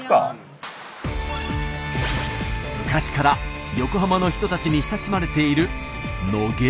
昔から横浜の人たちに親しまれている野毛へ。